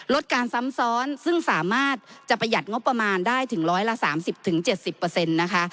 ลดการซ้ำซ้อนซึ่งสามารถจะประหยัดงบประมาณได้ถึงร้อยละ๓๐๗๐นะคะ